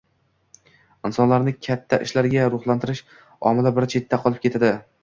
— insonlarni katta ishlarga ruhlantirish omili bir chetda qolib ketadi.